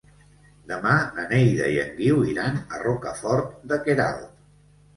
Demà na Neida i en Guiu iran a Rocafort de Queralt.